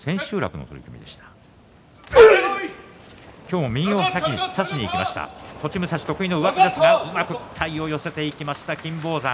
うまく体を寄せていきました金峰山。